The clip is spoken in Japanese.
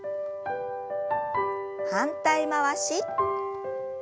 反対回し。